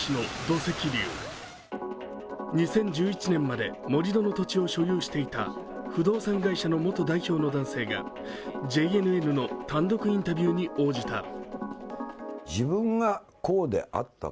２０１１年まで盛り土の土地を所有していた不動産会社の元代表の男性がＪＮＮの単独インタビューに応じた。